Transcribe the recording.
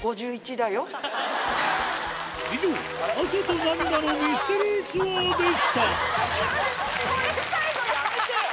以上汗と涙の「ミステリーツアー」でしたこれ最後やめてよ！